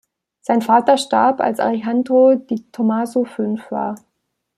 Sein Vater starb, als Alejandro de Tomaso fünf war.